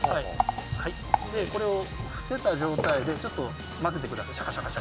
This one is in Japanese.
これを伏せた状態で混ぜてください。